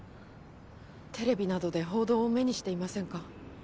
テレビなどで報道を目にしていませんか？